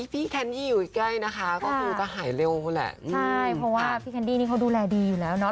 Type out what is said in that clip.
เพราะว่าพี่คันดี้นี่เขาดูแลดีอยู่แล้วเนาะ